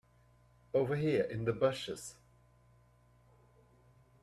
Over here in the bushes.